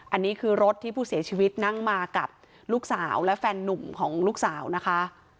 อันนี้คือรถที่ผู้เสียชีวิตนั่งมากับลูกสาวและแฟนนุ่มของลูกสาวนะคะ